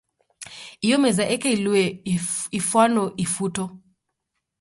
Iyo meza eka ilue efwana ifuto.